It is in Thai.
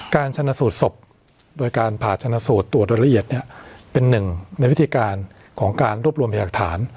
การชนะสูตรศพโดยการผ่าชนะสูตรตรวจละเอียดเนี่ยเป็นหนึ่งในวิธีการของการรวบรวมพยากฐาน